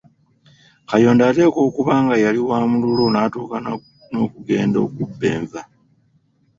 Kayondo ateekwa okuba nga yali wa mululu n’atuuka n’okugenda okubba enva.